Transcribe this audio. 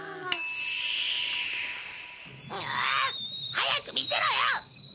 早く見せろよ！